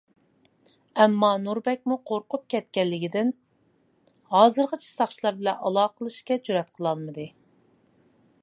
ئەمما نۇر بەكمۇ قورقۇپ كەتكەنلىكىدىن ھازىرغىچە ساقچىلار بىلەن ئالاقىلىشىشكە جۈرئەت قىلالمىدى.